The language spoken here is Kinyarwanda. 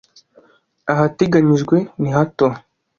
ahateganyijwe nihato.